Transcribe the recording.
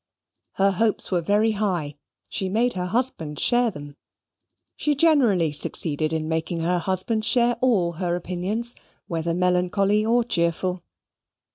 Her hopes were very high: she made her husband share them. She generally succeeded in making her husband share all her opinions, whether melancholy or cheerful.